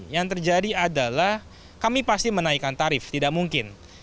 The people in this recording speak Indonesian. yang terjadi adalah kami pasti menaikkan tarif tidak mungkin